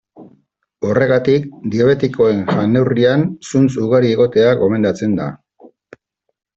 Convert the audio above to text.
Horregatik, diabetikoen jan-neurrian zuntz ugari egotea gomendatzen da.